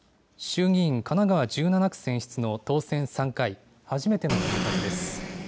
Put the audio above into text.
衆議院神奈川１７区選出の当選３回、初めての入閣です。